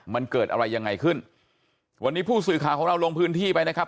มันเกิดอะไรยังไงขึ้นวันนี้ผู้สื่อข่าวของเราลงพื้นที่ไปนะครับ